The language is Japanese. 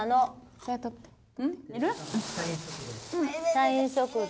社員食堂。